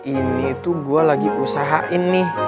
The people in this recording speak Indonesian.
ini tuh gue lagi usahain nih